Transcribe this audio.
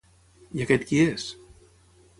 I aquest qui és?